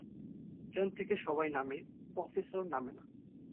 Train থেকে সবাই নামে, প্রফেসর নামেনা।